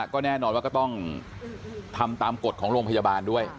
ก็แน่นอนว่าก็ต้องทำตามกฎของโรงพยาบาลด้วย